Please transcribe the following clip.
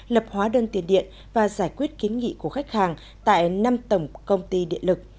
lập hóa đơn tiền điện và giải quyết kiến nghị của khách hàng tại năm tổng công ty điện lực